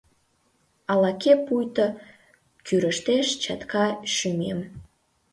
Ала-кӧ пуйто кӱрыштеш чатка шӱмем.